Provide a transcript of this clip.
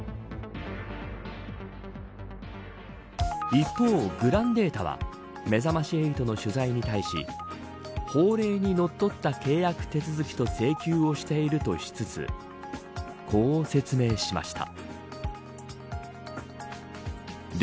一方、グランデータはめざまし８の取材に対し法令にのっとった契約手続きと請求をしているとしつつこう説明しました。